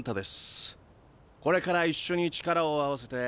これから一緒に力を合わせて。